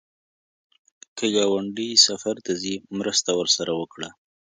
که ګاونډی سفر ته ځي، مرسته ورسره وکړه